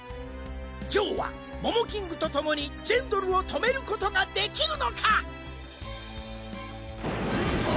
ジョーはモモキングと共にジェンドルを止めることができるのか！？